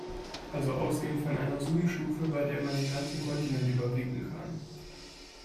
Also ausgehend von einer Zoomstufe, bei der man den ganzen Kontinent überblicken kann.